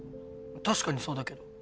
確かにそうだけど。